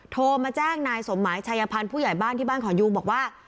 โทรมาแจ้งนายสมหมายชายพันธ์ผู้ใหญ่บ้านที่บ้านของยูงบอกว่า